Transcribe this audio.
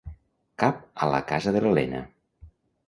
Cap a la casa de l'Elena.